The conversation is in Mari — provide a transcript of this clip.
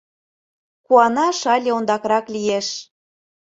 Куанаш але ондакрак лиеш.